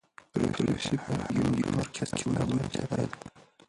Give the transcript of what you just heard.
په روسي فرهنګي مرکز کې کتابونه چاپېدل.